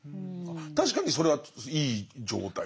確かにそれはいい状態。